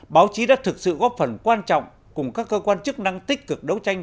báo chí đã thực sự góp phần quan trọng cùng các cơ quan chức năng tích cực đấu tranh